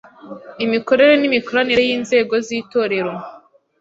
IMIKORERE N’IMIKORANIRE Y’INZEGO Z’ITORERO